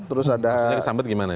maksudnya kesambet gimana